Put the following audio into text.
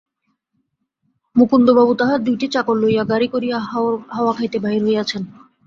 মুকুন্দবাবু তাঁহার দুইটি চাকর সঙ্গে লইয়া গাড়ি করিয়া হাওয়া খাইতে বাহির হইয়াছেন।